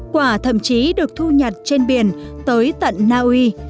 quả thậm chí được thu nhặt trên biển tới tận naui